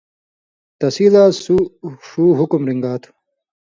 تسی لا سُو ݜُو حُکُم رِن٘گا تھو۔